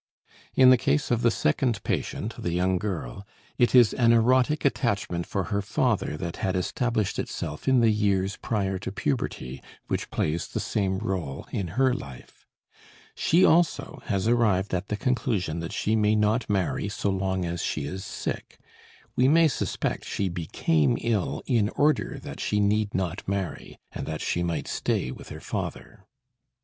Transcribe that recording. In the case of the second patient, the young girl, it is an erotic attachment for her father that had established itself in the years prior to puberty, which plays the same role in her life. She also has arrived at the conclusion that she may not marry so long as she is sick. We may suspect she became ill in order that she need not marry, and that she might stay with her father.